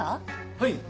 はい。